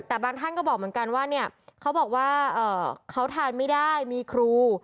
แต่บางท่านก็บอกเหมือนกันว่าเนี่ยเขาบอกว่าเขาทานไม่ได้มีครู